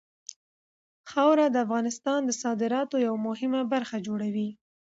خاوره د افغانستان د صادراتو یوه مهمه برخه جوړوي.